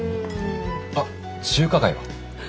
あっ中華街は？